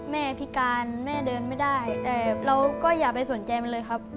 แม่พิการแม่เดินไม่ได้แต่เราก็อย่าไปสนใจมันเลยครับ